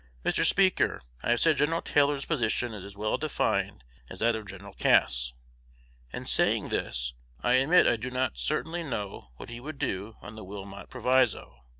Mr. Speaker, I have said Gen. Taylor's position is as well defined as is that of Gen. Cass. In saying this, I admit I do not certainly know what he would do on the Wilmot Proviso.